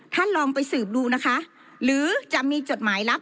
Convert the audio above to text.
ลองไปสืบดูนะคะหรือจะมีจดหมายลับ